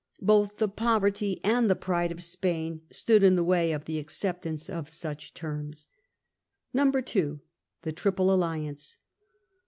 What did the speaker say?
Both the poverty and the pride of Spain stood in the way of the acceptance of such terms. 2. The Triple Alliance.